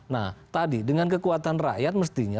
nah tadi dengan kekuatan rakyat mestinya